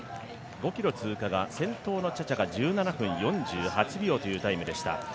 ５ｋｍ通過が先頭のチャチャが１７分４８秒というタイムでした。